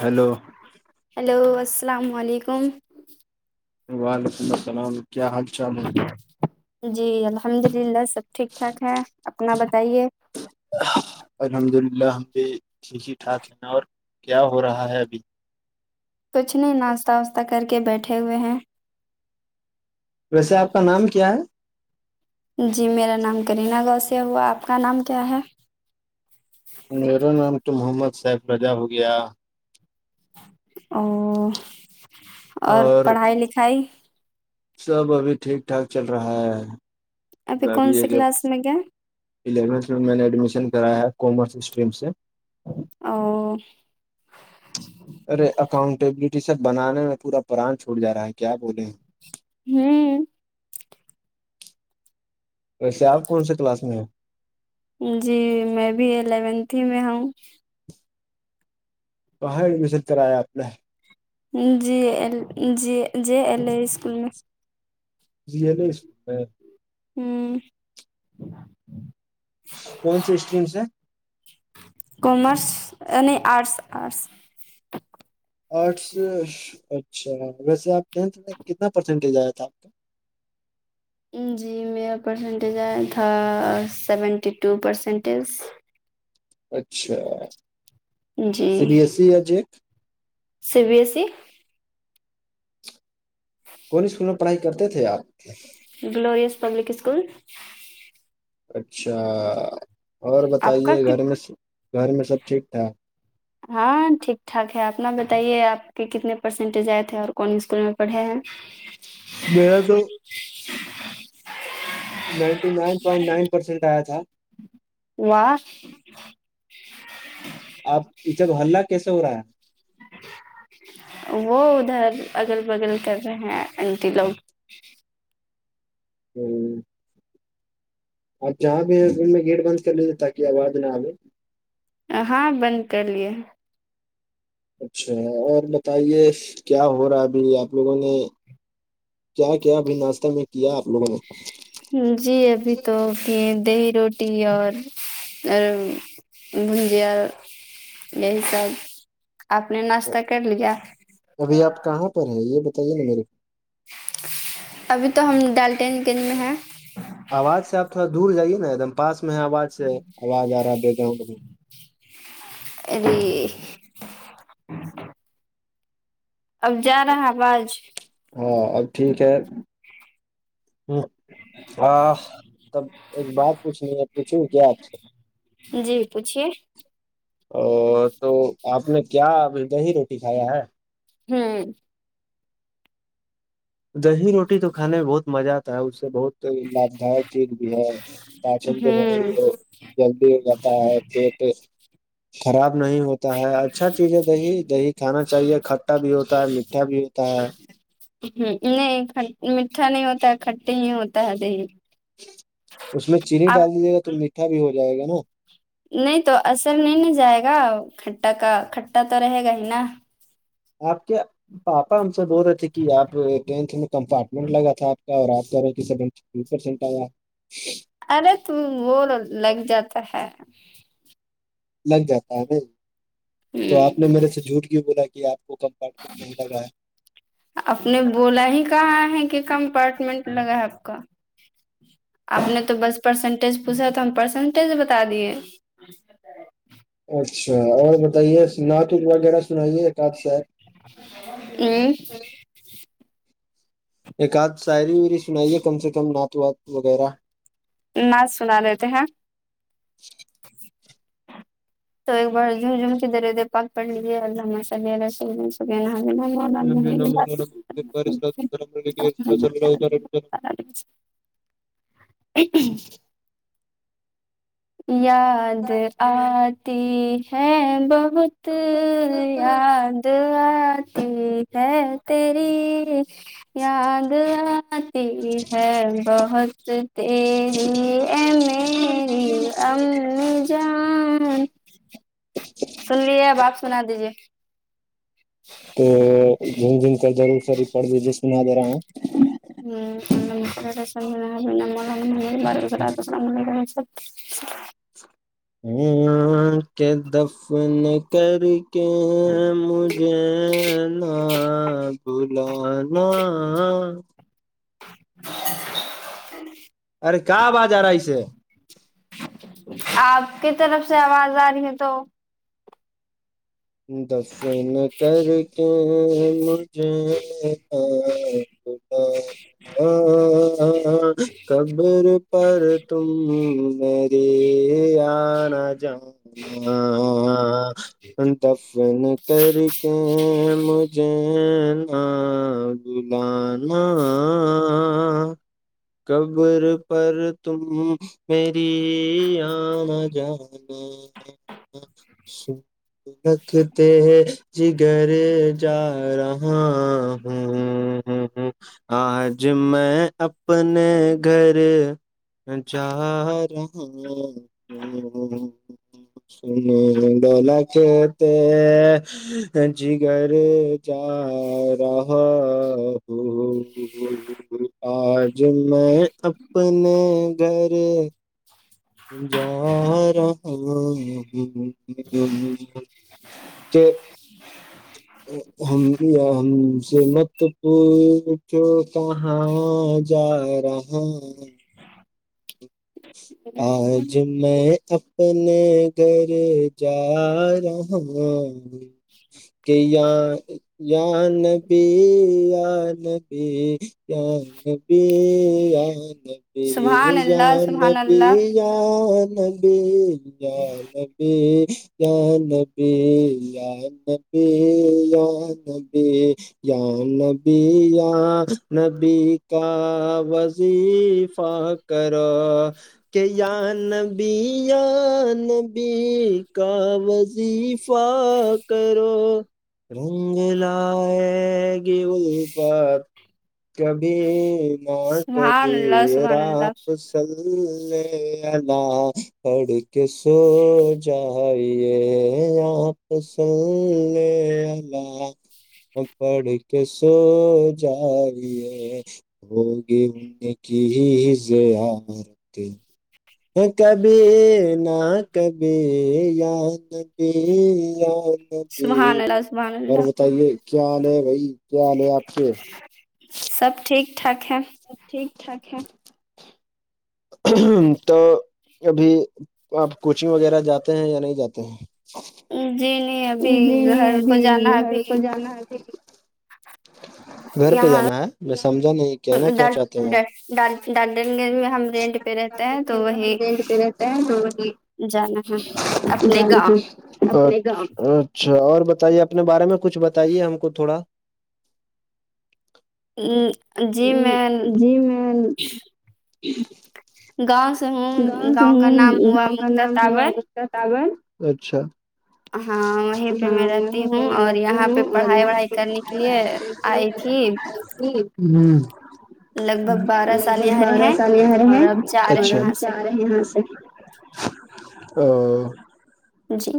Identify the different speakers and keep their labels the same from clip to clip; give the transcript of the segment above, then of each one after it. Speaker 1: Hello
Speaker 2: hello السلام علیکم
Speaker 1: وعلیکم السلام کیا حال چال ہے
Speaker 2: جی الحمد للہ سب ٹھیک ٹھاک ہے اپنا بتائیے
Speaker 1: ا [inaudible] الحمد للہ ہم بھی ٹھیک ہی ٹھاک ہے نا اور کیا ہو رہا ہے ابھی
Speaker 2: کچھ نہیں ناشتہ واشتہ کر کے بیٹھے ہوئے ہیں
Speaker 1: ویسے آپ کا نام کیا ہے
Speaker 2: میرا نام کرینا واس ہے وہ اپ کا نام کیا ہے
Speaker 1: میرا نام تو محمد سیف رضا ہو گیا
Speaker 2: او اور پڑھائی لکھائی
Speaker 1: سب ابھی ٹھیک ٹھاک چل رہا ہے ابھی
Speaker 2: کون سی کلاس میں گئے
Speaker 1: الیونتھ میں میں نے ایڈمیشن کرایا کامرس اسٹریم سے
Speaker 2: اور
Speaker 1: ارے اکاؤنٹیبلٹی سے بنانے میں پورا پران چھوڑ جا رہا ہے کیا بولے
Speaker 2: نہیں
Speaker 1: ویسے آپ کون سے کلاس میں ہے
Speaker 2: جی میں بھی الیونت ہی میں ہوں
Speaker 1: کہاں ایڈمشن کرایا اپ نے
Speaker 2: جی جی جی ایل اے اسکول میں
Speaker 1: جی یہ نہیں [unintelligible] سکولتے
Speaker 2: ہوں
Speaker 1: کون سے اسٹریم سے ہیں
Speaker 2: کومرس نہیں آرٹس آرٹس
Speaker 1: آرٹس اچھا ویسے آپ ٹینتھ میں کتنا پرسینٹیج آیا تھا آپ کا
Speaker 2: جی میرا پرسنٹیج آیا تھا سیونٹی ٹو پرسنٹیج ہے
Speaker 1: اچھا
Speaker 2: جی
Speaker 1: سی بی ایس ای یا جیک
Speaker 2: سی بی ایس س
Speaker 1: کون اسکول میں پڑھائی کرتے تھے آپ
Speaker 2: گلورس پبلک اسکول
Speaker 1: اچھا اور
Speaker 2: آپ کا
Speaker 1: بتائیے گھر
Speaker 2: کت-
Speaker 1: میں گھر میں سب ٹھیک ٹھاک
Speaker 2: ہاں ٹھیک ٹھاک ہے اپنا بتائیے آپ کے کتنے پرسینٹیج آئے تھے اور کون اسکول میں پڑھے ہیں
Speaker 1: میرا تو
Speaker 2: [inaudible]
Speaker 1: ninety nine point nine percent آیا تھا
Speaker 2: واہ
Speaker 1: آپ کی جگہ ہلہ کیسے ہو رہا ہے
Speaker 2: وہ ادھر اگل بگل کر رہے ہیں انٹی لوگ
Speaker 1: ہوں آپ جہاں بھیہ ان میں گیٹ بند کر لیجیے تاکہ آواز نہ آے
Speaker 2: ہاں بند کر لیے ہیں
Speaker 1: اچھا اور بتائیے کیا ہو رہا ابھی آپ لوگوں نے کیا کیا ابھی ناشہ میں کیا آپ لوگوں نے
Speaker 2: جی ابھی تو دیہی روٹی اور بھجیاں یہی سب اپ نے ناشتہ کر لیا
Speaker 1: ابھی آپ کہاں پر ہے یہ بتائیے نا میرے
Speaker 2: ابھی تو ہم ڈالٹین گنج میں ہے
Speaker 1: آواز سے آپ تھوڑا دور جائیے نا ایک دم پاس میں ہے آواز سے آواز آ رہا ہے بیک گراؤنڈ میں
Speaker 2: ا [unintelligible] اب جا نا ہے بعج
Speaker 1: ہاں اب ٹھیک ہے ہ ہاں تب ایک بات پوچھنی ہے پوچھو کیا آپ سے
Speaker 2: جی پوچھیے
Speaker 1: ا تو آپ نے کیا اتنا ہی روٹی کھایا ہے
Speaker 2: ہوں
Speaker 1: دہی روٹی تو کھانے میں بہت مزہ آتا ہے اس سے بہت تو لگتا ہے ٹھیک بھی ہے پاچن
Speaker 2: ہوں
Speaker 1: جو ہے
Speaker 2: ہ
Speaker 1: وہ جلدی جاتتا ہے پیٹ خراب نہیں ہوتا تا ہے اچھا چیز ہے دہی دہی کھانا چاہیے کھٹا بھی ہوتا ہے میٹھا بھی ہوتا ہے
Speaker 2: ہ نہیں کھ میٹھا نہیں ہوتا ہے کھٹی ہی ہوتا ہے دہی
Speaker 1: اس میں چینی
Speaker 2: آپ
Speaker 1: ڈال دیجیے گا تو میٹھا بھی ہو جائے گا نا
Speaker 2: نہیں تو اثر نہیں نہ جائے گا کھٹٹا کا کھٹا تو رہے گا ہی نا
Speaker 1: اور کیا پاپا ہم سے بول رہے تھے کہ آپ ٹینتھ میں کمپارٹمنٹ لگا تھا آپ کا اور آپ کر سی بھی پرسنٹ ایا
Speaker 2: ارے تو وہ لگ جاتا ہے
Speaker 1: لگ جاتا ہے تو
Speaker 2: ہ
Speaker 1: آپ نے میرے سے جھوٹ کی بولا کہ آپ کو رہا ہے
Speaker 2: آپ نے بولا
Speaker 1: [unintelligible]
Speaker 2: ہی کہاں ہے کہ کم پارٹمنٹ لگا ہے آپ کا آپ نے تو بس پرسنٹیج پوچھا تو ہم پرسنٹیج بتا دیے اچ [inaudible]
Speaker 1: اچھا اور بتائیے نعت وغیرہ سنائیے ایک آپ سا
Speaker 2: ہوں
Speaker 1: ایک آدھ شاعری وری سنائیے کم سے کم نعت وات وغیرہ
Speaker 2: نات سنا لیتے ہیں تو ایک بار جھوجھم کی درود پاک پڑ لیجئے اللہم صلی علی سیدنا مشا اللہ خالی اوج عا رہی ہے [inaudible] [inaudible] یاد آتی ہے بہت تو یاد آتی ہے تیری یاد آتی ہے بہت تیری اے میری امی جان سن لیے اب آپ سنا دیجیے
Speaker 1: تو جھوم جھوم کے درود شریف پڑھ لیجئ سنا دے رہا ہوں
Speaker 2: [inaudible]
Speaker 1: کے دفن کر کر کے مجھے نا بلانا ارے کیا آواز آ رہا ہے اسے
Speaker 2: [inaudible] آپ کی طرف سے آواز آ رہی ہے تو
Speaker 1: دفن کر کے مجھے [inaudible] قبر پر تم میری انا جانا دفن کر کے مجھے نا لبھانا قبر پر تم میری آنا جانا دکتے جگر جا رہا ہوں ہوں آج میں اپنے گھر جا رہا ہوں س ڈولا کتے جگر جا رہا ہوں آج میں اپنے گھر جا رہا ہوں کہ ہم یا ہم سے مت پوچھو کہاں جا رہا ہوں آج میں اپنے گھر جا رہا ہوں کہ یا نبی یا نبی یا نبی یا نبی
Speaker 2: سبحان
Speaker 1: یا
Speaker 2: اللہ سبحان
Speaker 1: نبی
Speaker 2: اللہ
Speaker 1: یا نبی یا نبی یا نبی یا نبی یا نبی یا نبی یا نبی یا نبی کا وظیفہ کرو کہ یا نبی یا نبی کا وظیفہ کرو رنگ لائے گی الفت کبھی نہ
Speaker 2: سبحان
Speaker 1: کبھی
Speaker 2: اللہ سبحان اللہ
Speaker 1: آپ بس صل علی پڑھ کے سو جائیے اپ صلی علی پڑھ کے سو جائیے ہوگی ان کی زیارت کبھی نہ کبھی یا نبی یا نبی
Speaker 2: سبحان اللہ سبحان
Speaker 1: اور
Speaker 2: اللہ
Speaker 1: بتائیے کیا حال ہے بھائی کیا حال ہے آپ کے
Speaker 2: سب ٹھیک ٹھاک ہے
Speaker 1: ٹھیک ٹھاک ہے تو ابھی آپ کوچنگ وغیرہ جاتے ہیں یا نہیں جاتے ہیں
Speaker 2: جی نہیں
Speaker 1: جی
Speaker 2: ابھی
Speaker 1: نہیں
Speaker 2: گھر کو
Speaker 1: ابھی
Speaker 2: جانا
Speaker 1: گھر
Speaker 2: ابھی
Speaker 1: کو جانا ابھی گھر پہ
Speaker 2: یہاں
Speaker 1: جانا ہے میں سمجھا نہیں کہ نا کیا چاہتی ہوں اپ
Speaker 2: ڈالٹن گنج میں ہم رینٹ پہ رہتے ہیں تو وہی
Speaker 1: [unintelligible]
Speaker 2: جانا ہے اپنے
Speaker 1: جانا
Speaker 2: گاؤں
Speaker 1: [unintelligible] اچھا اور بتائیے اپنے بارے میں کچھ بتائیے ہم کو تھوڑا
Speaker 2: گاؤں
Speaker 1: ہ
Speaker 2: جی میں
Speaker 1: جی میں
Speaker 2: گاؤں سے ہوں
Speaker 1: سے
Speaker 2: گاؤں کا
Speaker 1: ہوں
Speaker 2: نام ہوا
Speaker 1: گاؤں کا
Speaker 2: مکتا
Speaker 1: نام ہوا
Speaker 2: تابر
Speaker 1: اچھا
Speaker 2: ہاں وہیں پہ میں
Speaker 1: ہاں
Speaker 2: رہتی
Speaker 1: یہیں پہ
Speaker 2: ہوں
Speaker 1: میں
Speaker 2: اور
Speaker 1: رہتی
Speaker 2: یہاں پہ
Speaker 1: ہوں اور
Speaker 2: پڑھائی
Speaker 1: یہاں
Speaker 2: وڑھائی
Speaker 1: پہ
Speaker 2: کرنے کے
Speaker 1: پڑھائی
Speaker 2: لیے
Speaker 1: وڑھائی
Speaker 2: آئی تھی
Speaker 1: ہ لگ
Speaker 2: لگ بھگ بارہ سال
Speaker 1: بھگ
Speaker 2: یہاں
Speaker 1: بارہ
Speaker 2: رہے
Speaker 1: سال یہر
Speaker 2: اور
Speaker 1: میں
Speaker 2: اب جا رہے
Speaker 1: اچھا
Speaker 2: یہاں سے
Speaker 1: یہاں سے ا
Speaker 2: جی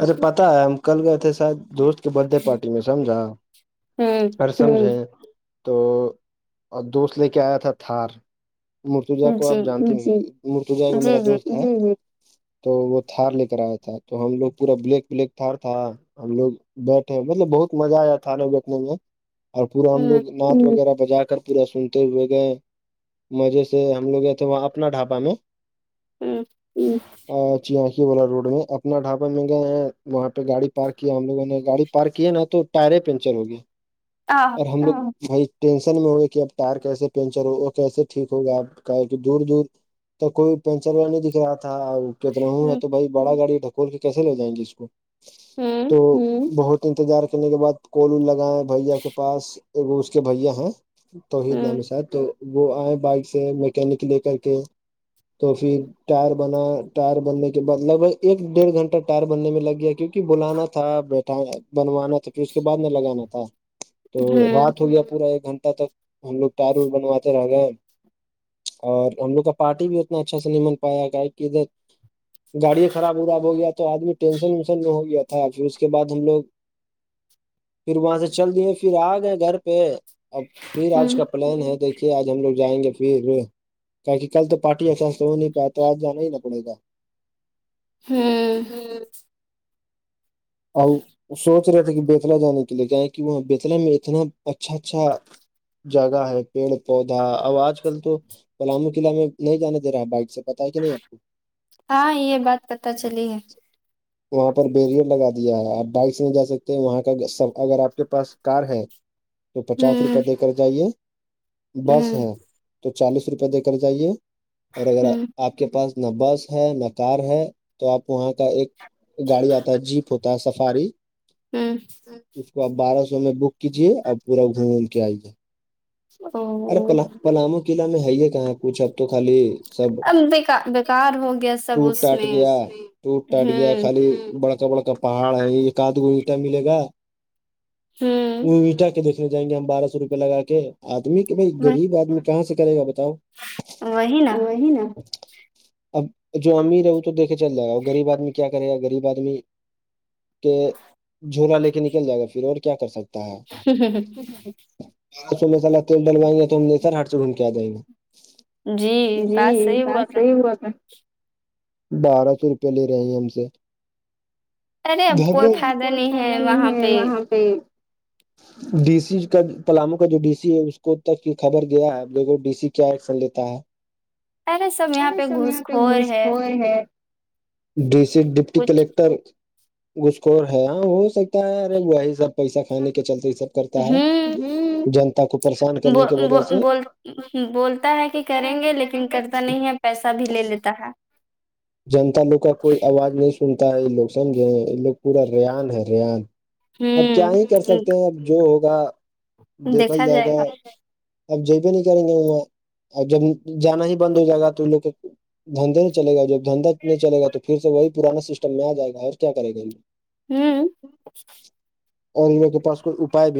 Speaker 1: اچھا پتا ہے ہم کل گئے تھے شاید دوست کے برتھ ڈے پارٹی میں سمجھا
Speaker 2: ہوں
Speaker 1: سمجھے تو اور دوست لے کے آیا تھا تھار مرتوجا کو
Speaker 2: جی
Speaker 1: آپ جانتے مرتوجا کو
Speaker 2: جی
Speaker 1: میرا
Speaker 2: جی
Speaker 1: دوست تو وہ تھار لے کر آیا تھا تو ہم لوگ پورا بلیک پلیک تھار تھا ہم لوگ بیٹھے مطلب بہت مزہ آیا تھار میں بییھنے میں اور پورا ہم
Speaker 2: ہوں
Speaker 1: لوگ ناچ وغیرہ بجا کر پورا سنتے ہوئے گئے مزے سے ہم لوگ یہ تھے وہاں اپنا ڈھابا میں
Speaker 2: ہوں
Speaker 1: [unintelligible] اپنا ڈھابہ م گ ہیں وہاں پہ گاڑی پارک کیا ہم لووں نے گاڑی پارک کی نا تو ٹائر پنکچر ہو گیا
Speaker 2: آ
Speaker 1: اور ہم لوگ بہت ٹینشن میں ہوگی کہ اب ٹائر کیسے پنچر ہو اور کیسے ٹھیک ہوگا آپ کا دور دور تو کوئی پینچر ویر نہیں دکھ رہا تھا کہ رہ ہے
Speaker 2: ہوں
Speaker 1: تو بھائی بڑا گاڑی ڈکول کے کیسے لے جائیں گی اس کو
Speaker 2: ہوں
Speaker 1: تو بہت انتظار کرنے کے بعد کول لگائے بھیا کے پاس ا اس کے بھیا ہیں توحید نام
Speaker 2: ہوں
Speaker 1: ہے شاید تو وہ آئے بائک سے مکینک لے کر کے تو پھر ٹائر بنا ٹائر بننے کے بعد لگ بھگ ایک تو گھنٹ ٹائر بننے میں لگ گیا کیونکہ بلانا تھا بنوانا تھا پھر اس کے بعد میں لگانا تھا تو
Speaker 2: ہوں
Speaker 1: رات ہو گیا پورا ایک گھنٹہ تک ہم لوگ ٹارور بنواتے رہ گئے اور ہم لوگ کا پارٹی بھی اتنا اچھا سے نہیں مل پایا گے کہ ادھر گاڑی خراب ہو گیا بھیا تو آدمی ٹینشن وینسن نہ ہو گیا تھا تھا پھر اس کے بعد ہم لوگ پھر وہاں سے چل دیے پھر آ گئے گھر پہ اب پھر آج
Speaker 2: ہوں
Speaker 1: کا پلان ہے دیک دے آج ہم لوگ جائیں گے پھر کیکہ کل تو پارٹی اسا سے ہو نہیں پایا تو آج جانا ہی ن پڑے گا
Speaker 2: ہاں
Speaker 1: ہاں آ سوچ رہے تھے کہ تلا جانے کے لیے کیا ہے کہ وہاں بیتلا میں اتنا اچھا اچھا جگہ ہے پیڑ پودا اب آج کل تو پلامو قلعہ میں نہیں جانے دے رہا ہے بائک سے پتا ہے کہ نہیں آپ کو
Speaker 2: ہاں یہ بات پتہ چلی ہے
Speaker 1: [inaudible] وہاں پر بیریئر لگا دیا ہے آپ بائک سے نہیں جا سکتے وہاں کا اگر آپ کے پاس کار ہے تو پچاس روپے
Speaker 2: ہوں
Speaker 1: دے کر جائیے بس
Speaker 2: ہوں
Speaker 1: ہے تو چالیس روپئے دے کر جائیے اور اگر
Speaker 2: ہوں
Speaker 1: آپ کے پاس نہ بس ہے نہ کار ہے تو آپ وہاں کا ایک گاڑی آتا ہے جیپ ہوتا ہے سفاری
Speaker 2: ہاں
Speaker 1: اس کو آپ بارہ سو میں بک کیجیے آپ پورا گھوموم کے آئیے
Speaker 2: او
Speaker 1: ارے پلامو قلعہ میں ہے یہ کہاں کچھ اب تو خالی سب
Speaker 2: اب بےکا بیکار ہو گیا سب
Speaker 1: ٹوٹ
Speaker 2: اس
Speaker 1: ٹاٹ
Speaker 2: میں
Speaker 1: گیا ٹوٹ ٹاٹ گیا
Speaker 2: ہوں
Speaker 1: خالی بڑکا بڑکا پہاڑ ہے ایک آ
Speaker 2: ہوں
Speaker 1: [unintelligible] جائیں گے ہم بارہ سو روپے لگا کے آدمی کے بھائی
Speaker 2: وہ
Speaker 1: غریب آدمی کہاں سے کرے گا بتاؤ
Speaker 2: وہی نا
Speaker 1: [unintelligible] اب جو امیر ہے وہ تو دھے چل جائے گا اور غریب آدمی کیا کرے گا غریب آدمی تو جھولا لے کے نکل جائے گا پھر اور کیا کر سکتے [unintelligible]
Speaker 2: جی
Speaker 1: جی
Speaker 2: بول
Speaker 1: بات
Speaker 2: رہے ہیں۔
Speaker 1: صحیح ہوا تھا بارہ سو روپے لے رہے ہیں ہم سے کوئی فائدہ نہیں ہے وہاں ڈی سی کا پلامو کا جو ڈی سی ہے کو تک کی خبر گیا ہے دیکھوں ڈی سی کیا ایکشن لیتا ہے
Speaker 2: سب یہاں
Speaker 1: ارے
Speaker 2: پہ گھوس خور ہے
Speaker 1: [unintelligible] ڈی س ڈپٹی
Speaker 2: کچھ
Speaker 1: کلیکٹر گسخور ہے ہاں ہو سکتا ہے ارے وہی سب پیسہ کھانے کے چلتے یہ سب کرتا ہے جنتا کو پریشان
Speaker 2: ب
Speaker 1: کرنے کی
Speaker 2: ب
Speaker 1: وجہ سے
Speaker 2: بولتا ہے کہ کریں گے لیکن کرتا نہیں ہے پیسہ بھی لے لیتا ہے
Speaker 1: جنتا لوگ کا کوئی آواز نہیں سنتا ہے یہ لوگ سمجھے یہ لوگ پورا ریان ہے ریان اب کیا
Speaker 2: ہوں
Speaker 1: ہی کر سکتے ہیں اب جو ہوگا دیکھا جائے گا اب جی بھی نہیں کریں گے ا جب جانا ہی بند ہو جائے گا تو لو دھندے نہیں چلے گا جب دھندا نہیں چلے گا تو پھر سے وہی پرانا سسٹم میں آ جائے گا اور کیا کرے گا
Speaker 2: ہوں
Speaker 1: اور ان لوگوں کے پاس کوئی اپپائے بھی نہیں